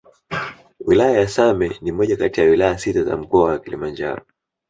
Wilaya ya Same ni moja kati ya Wilaya sita za mkoa wa Kilimanjaro